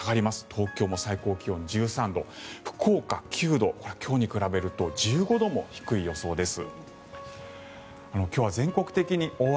東京も最高気温１３度福岡、９度今日に比べると１５度も低い予想です。